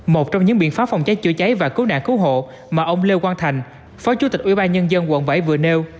một trong những biện pháp phòng cháy chữa cháy và cứu nạn cứu hộ mà ông lê quang thành phó chủ tịch ubnd quận bảy vừa nêu